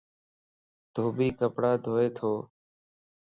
ڌوڀي ڪپڙا ڌوئي تو.